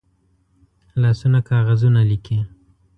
لاسونه کاغذونه لیکي